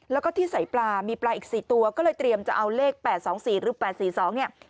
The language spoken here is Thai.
แล้วก็ที่ใส่ปลามีปลาอีก๔ตัวก็เลยเตรียมจะเอาเลข๘๒๔หรือ๘๔๒เนี่ย